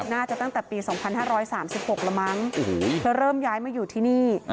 ตั้งแต่ปี๒๕๓๖แล้วมั้งแล้วเริ่มย้ายมาอยู่ที่นี่